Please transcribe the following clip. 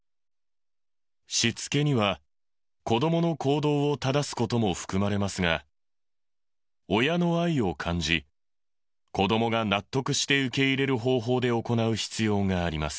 しつけには子どもの行動を正すことも含まれますが、親の愛を感じ、子どもが納得して受け入れる方法で行う必要があります。